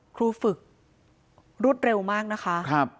ครูฝึกรวดเร็วมากนะคะ